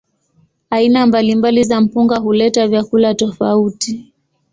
Aina mbalimbali za mpunga huleta vyakula tofauti.